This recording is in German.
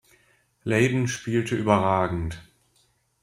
Layden spielte überragend.